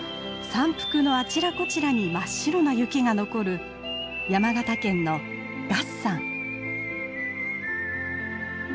山腹のあちらこちらに真っ白な雪が残る山形県の月山。